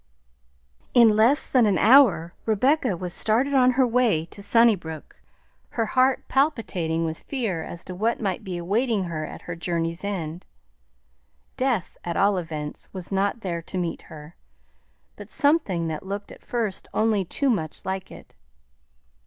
In less than an hour Rebecca was started on her way to Sunnybrook, her heart palpitating with fear as to what might be awaiting her at her journey's end. Death, at all events, was not there to meet her; but something that looked at first only too much like it.